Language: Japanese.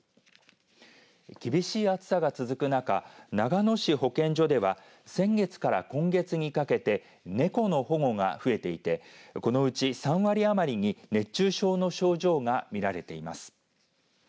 厳しい暑さが続く中長野市保健所では先月から今月にかけて猫の保護が増えていてこのうち３割余りに熱中症の症状が見られています。